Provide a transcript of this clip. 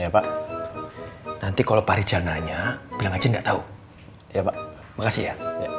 ya pak nanti kalau pak rijal nanya bilang aja nggak tahu ya pak makasih ya